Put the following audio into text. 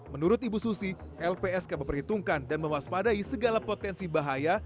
menurut ibu susi lpsk memperhitungkan dan mewaspadai segala potensi bahaya